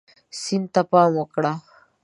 سیند ته پام وکړه.